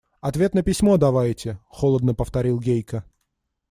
– Ответ на письмо давайте, – холодно повторил Гейка.